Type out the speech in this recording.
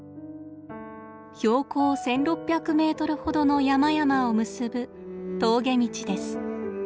標高１，６００メートルほどの山々を結ぶ峠道です。